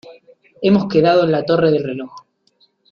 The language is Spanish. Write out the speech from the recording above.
Hemos quedado en la torre del reloj.